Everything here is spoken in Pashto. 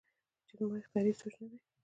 چې دا زما اختياري سوچ نۀ دے